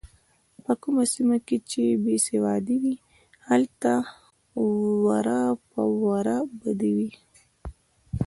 په کومه سیمه کې چې بې سوادي وي هلته وره په وره بدي وي.